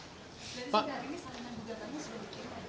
dari sekarang ini salinan buka kamu sudah dikirimkan